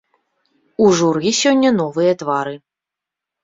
У журы сёння новыя твары.